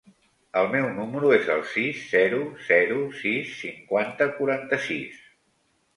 El meu número es el sis, zero, zero, sis, cinquanta, quaranta-sis.